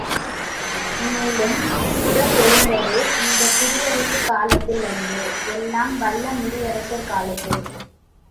மேலும் இக்குறள் எழுந்தது இந்தக் குடியரசுக் காலத்தில் அன்று எல்லாம் வல்ல முடியரசர் காலத்தில்.